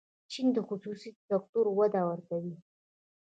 چین خصوصي سکتور ته وده ورکوي.